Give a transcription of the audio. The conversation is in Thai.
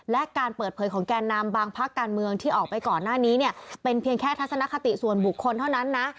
และการเปิดเผยของแก่นำบางพักการเมืองที่ออกไปก่อนหน้านี้เนี่ยเป็นเพียงแค่ทัศนคติส่วนบุคคลเท่านั้นนะ